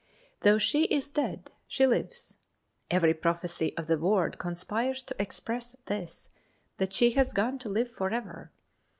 Though she is dead she lives. Every prophecy of the word conspires to express this, that she has gone to live forever.